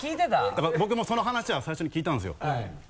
だから僕もその話は最初に聞いたんですよ。